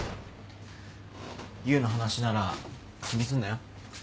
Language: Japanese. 優の話なら気にすんなよ。